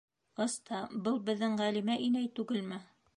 Ыста, был беҙҙең Ғәлимә инәй түгелме?